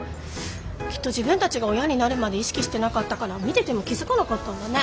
きっと自分たちが親になるまで意識してなかったから見てても気付かなかったんだね。